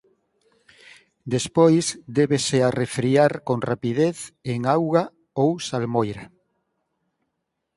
Despois débese arrefriar con rapidez en auga ou salmoira.